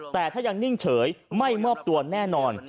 แต่ถ้ายังนิ่งเฉยไม่มอบตัวแน่นอน